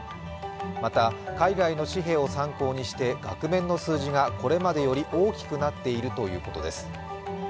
また、海外の紙幣を参考にして額面の数字がこれまでより大きくなっているということです。